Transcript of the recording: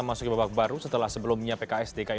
masuk ke babak baru setelah sebelumnya pks dki